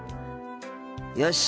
よし。